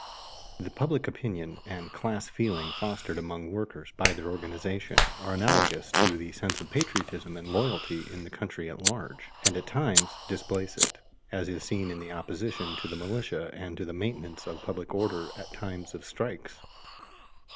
The "public opinion" and class feeling fostered among workers by their organization are analogous to the sense of patriotism and loyalty in the country at large, and at times displace it, as is seen in the opposition to the militia and to the maintenance of public order at times of strikes.